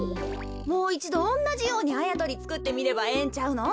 もういちどおんなじようにあやとりつくってみればええんちゃうの？